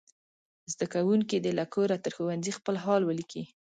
زده کوونکي دې له کوره تر ښوونځي خپل حال ولیکي.